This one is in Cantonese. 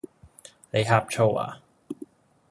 你呷醋呀?